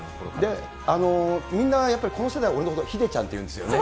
みんなやっぱり、この世代、俺のことヒデちゃんって言うんですよね。